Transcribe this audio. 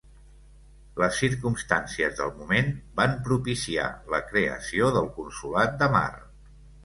Les circumstàncies del moment van propiciar la creació del Consolat de Mar.